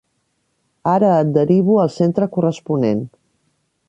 Ara et derivo al centre corresponent.